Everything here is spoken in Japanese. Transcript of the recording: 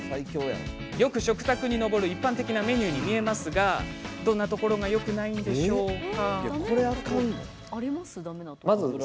よく食卓に上る一般的なメニューに見えますがどんなところがよくないんでしょうか？